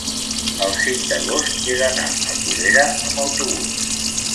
el cinc d'agost he d'anar a Colera amb autobús.